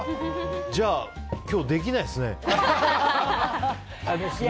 じゃあ今日はできないっすね。